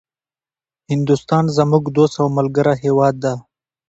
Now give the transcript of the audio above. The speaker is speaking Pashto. هندوستان زموږ دوست او ملګری هيواد ده